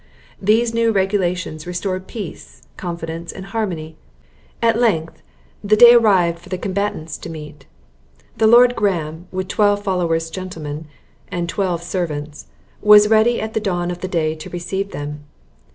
These new regulations restored peace, confidence, and harmony, in the Castle of Lovel. At length, the day arrived for the combatants to meet. The Lord Graham, with twelve followers gentlemen, and twelve servants, was ready at the dawn of day to receive them.